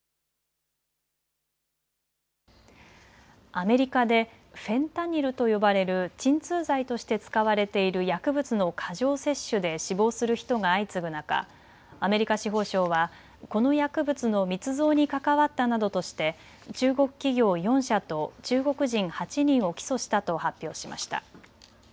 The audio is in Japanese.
アメリカでフェンタニルと呼ばれる鎮痛剤として使われている薬物の過剰摂取で死亡する人が相次ぐ中、アメリカ司法省はこの薬物の密造に関わったなどとして中国企業４社と中国人８人を起訴したと発表しました。